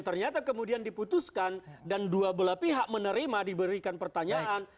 ternyata kemudian diputuskan dan dua belah pihak menerima diberikan pertanyaan